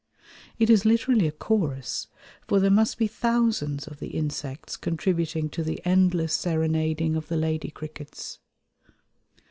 It is literally a chorus, for there must be thousands of the insects contributing to the endless serenading of the lady crickets.